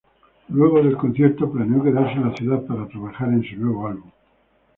Luego del concierto, planeó quedarse en la ciudad para trabajar en su nuevo álbum.